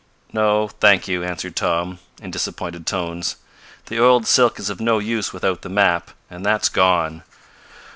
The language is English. "No, thank you," answered Tom, in disappointed tones. "The oiled silk is of no use without the map, and that's gone.